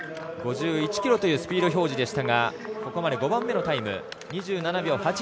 ５１キロというスピード表示でしたがここまで５番目のタイム。